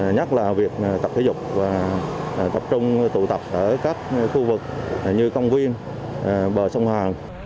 nhất là việc tập thể dục và tập trung tụ tập ở các khu vực như công viên bờ sông hàn